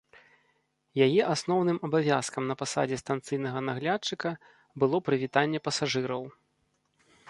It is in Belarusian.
Яе асноўны абавязкам на пасадзе станцыйнага наглядчыка было прывітанне пасажыраў.